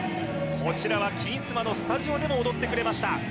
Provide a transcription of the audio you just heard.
こちらは金スマのスタジオでも踊ってくれました